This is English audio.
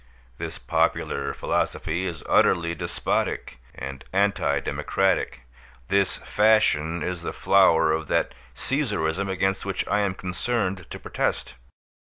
This popular philosophy is utterly despotic and anti democratic; this fashion is the flower of that Caesarism against which I am concerned to protest.